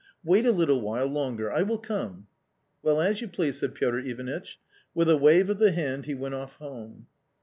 Wait a little while longer, I will come." "Well, as you please," said Piotr Ivanitch. With a wave of the hand he went off home.